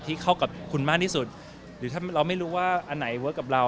เข้ากับคุณมากที่สุดหรือถ้าเราไม่รู้ว่าอันไหนเวิร์คกับเรา